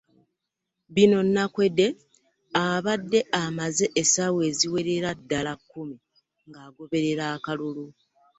Bino Nakweede abadde amaze essaawa eziwerera ddala kkumi ng'agoberera akalulu